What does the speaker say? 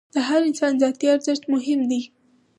د هر انسان ذاتي ارزښت مهم دی.